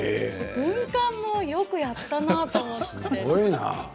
軍艦もよくやったなって。